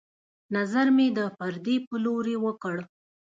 نظر مې د پردې په لورې وکړ